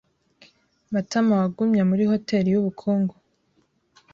Matamawagumye muri hoteri yubukungu.